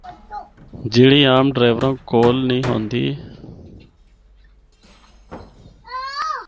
جِڑّی عام ڈریوراں کول نیں ہوندی۔